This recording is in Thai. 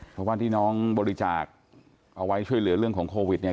เพราะว่าที่น้องบริจาคเอาไว้ช่วยเหลือเรื่องของโควิดเนี่ย